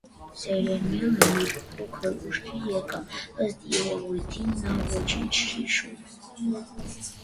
Սեյրանյանը մի փոքր ուշքի եկավ, ըստ երևույթին, նա ոչինչ հիշում: